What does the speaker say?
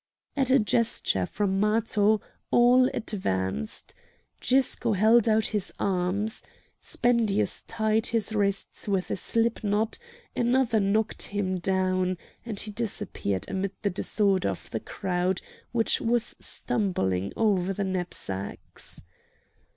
At a gesture from Matho all advanced. Gisco held out his arms; Spendius tied his wrists with a slip knot; another knocked him down, and he disappeared amid the disorder of the crowd which was stumbling over the knapsacks.